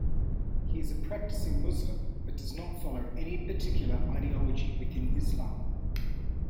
He is a practicing Muslim but does not follow any particular ideology within Islam.